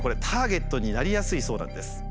ターゲットになりやすいそうなんです。